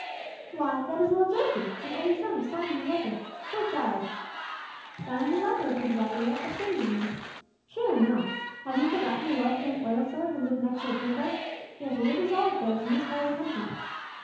"Why, that is little Joseph, the only son of Simon the leper. Poor child!" "Simon the leper," repeated Abigail. "A stranger to me." "Surely not. Have you forgotten the wealthy young oil seller who lived next the synagogue? He has the richest olive groves in this part of the country."